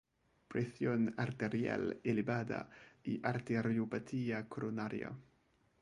presión arterial elevada y arteriopatía coronaria